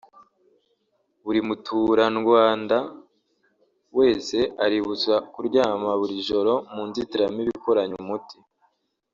Buri muturandwanda wese aributswa kuryama buri joro mu nzitiramubu ikoranye umuti